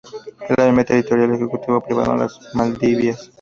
Es el primer terminal ejecutivo privado en las Maldivas.